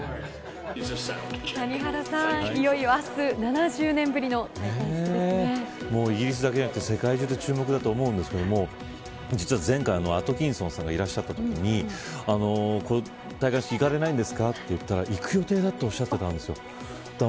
谷原さん、いよいよ明日７０年ぶりのイギリスだけじゃなくて世界中で注目だと思いますが前回、アトキンソンさんがいらっしゃったとき戴冠式に行かないんですかと聞いたら行く予定だとおっしゃっていました。